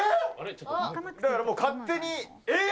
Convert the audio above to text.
だからもう勝手に、ＡＩ！